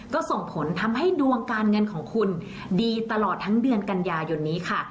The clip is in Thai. ก็ส่งผลทำให้ดวงการเงินของคุณดีตลอดทั้งเดือนกันยายนนี้ค่ะ